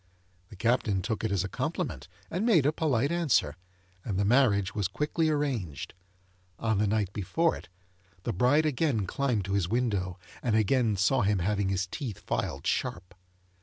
The Captain took it as a compliment, and made a polite answer, and the marriage was quickly arranged. On the night before it, the bride again climbed to his window, and again saw him having his teeth filed sharp.